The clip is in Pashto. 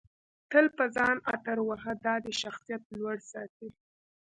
تل په ځان عطر وهه دادی شخصیت لوړ ساتي